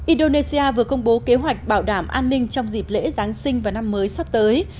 indonesia vừa công bố kế hoạch bảo đảm an ninh trong dịp lễ giáng sinh và năm mới sắp tới